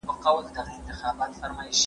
تر هغې لاري ورهاخوا یو باغ دی.